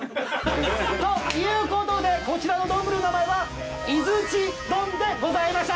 ということでこちらの丼の名前は伊土丼でございました！